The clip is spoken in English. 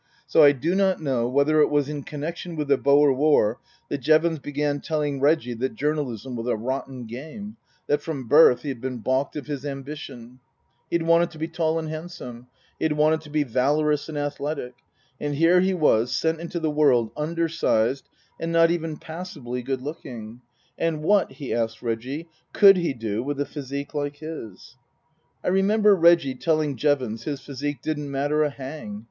So I do not know whether it was in connection with the Boer War that Jevons began telling Reggie that journalism was a rotten game ; that from birth he had been baulked of his ambition. He had wanted to be tall and handsome. He had wanted to be valorous and athletic. And here he was sent into the world undersized and not even passably good looking. And what he asked Reggie could he do with a physique like his ? I remember Reggie telling Jevons his physique didn't matter a hang.